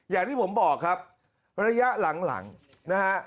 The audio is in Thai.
อย่างที่ผมบอกครับระยะหลังนะฮะ